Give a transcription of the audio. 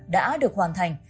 đã được hoàn thành